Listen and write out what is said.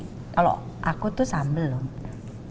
kalau aku tuh sambel loh